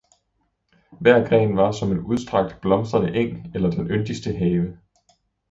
hver gren var som en udstrakt blomstrende eng eller den yndigste have.